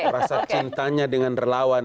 rasa cintanya dengan relawan